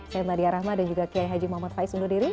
saya meladia rahma dan juga kiai haji muhammad faiz undur diri